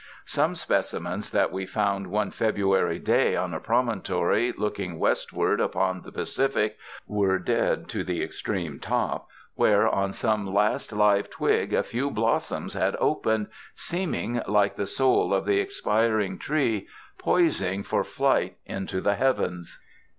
Some specimens that we found one February day on a promontory looking westward upon the 179 UNDER THE SKY IN CALIFORNIA Pacific were dead to the extreme top, where on one last live twig a few blossoms had opened, seem ing like the soul of the expiring tree poising for flight into the heavens.